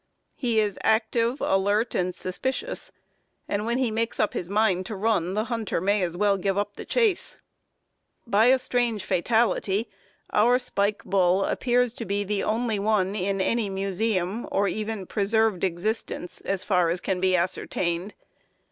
He is active, alert, and suspicious, and when he makes up his mind to run the hunter may as well give up the chase. By a strange fatality, our spike bull appears to be the only one in any museum, or even in preserved existence, as far as can be ascertained.